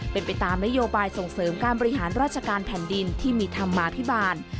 เป็นไปตามนโยบายส่งเสริมการบริหารราชการแผ่นดินที่มีธรรมาภิบาล